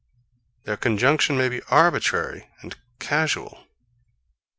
Their conjunction may be arbitrary and casual.